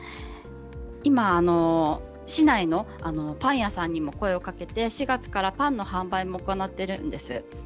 今、市内のパン屋さんにも声をかけて４月からパンの販売も行っているんです。